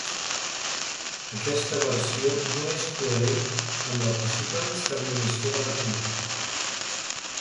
Aquesta versió no és coherent amb la possible exterminació de la tribu.